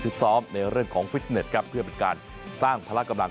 ซ้อมในเรื่องของฟิสเน็ตครับเพื่อเป็นการสร้างพละกำลัง